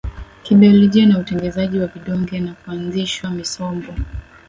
kibiolojia za utengenezaji wa vidonge na kuanzishwa misombo